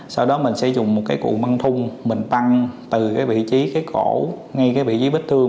sau đó mình sẽ dùng một cái cụ băng thun mình băng từ cái vị trí cái cổ ngay cái vị trí bếp thương